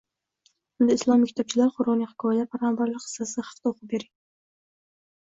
Unga islomiy kitobchalar, qur’oniy hikoyalar, payg‘ambarlarning qissalari haqida o‘qib bering.